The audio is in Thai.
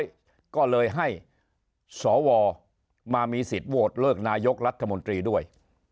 ความเรียบร้อยก็เลยให้สวมามีสิทธิ์โวทย์เลิกนายกรัฐมนตรีด้วย